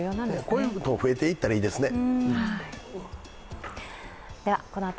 こういうのが増えていったらいいですね。